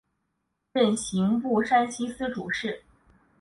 任刑部山西司主事。